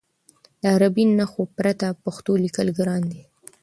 د عربي نښو پرته پښتو لوستل ګران دي.